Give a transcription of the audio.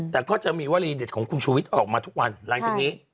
แต่ก็จะมีวลีเด็ดของคุณชูวิทย์ออกมาทุกวันหลังจากนี้